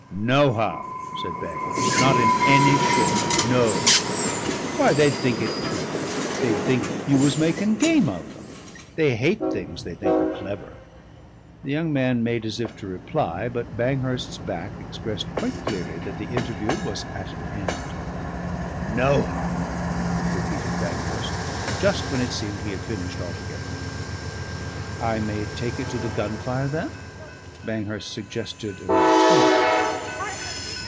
"Nohow," said Banghurst. "Not in any shape. No! Why! They'd think it clever. They'd think you was making game of them. They hate things they think are clever!" The young man made as if to reply, but Banghurst's back expressed quite clearly that the interview was at an end. "Nohow," repeated Banghurst just when it seemed he had finished altogether. "I may take it to the Gunfire then?" Banghurst suggested an alternative.